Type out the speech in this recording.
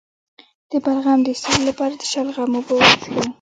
د بلغم د ایستلو لپاره د شلغم اوبه وڅښئ